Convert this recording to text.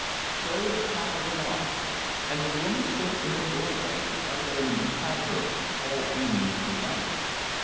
So the prattle went on, and the woman stood in the doorway, with other women behind her, all beaming with delight.